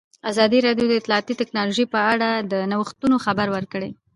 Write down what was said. ازادي راډیو د اطلاعاتی تکنالوژي په اړه د نوښتونو خبر ورکړی.